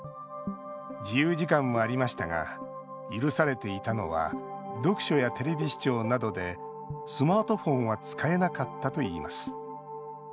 自由時間もありましたが許されていたのは読書やテレビ視聴などでスマートフォンは使えなかったといいます。